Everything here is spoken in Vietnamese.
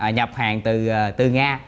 nhập hàng từ nga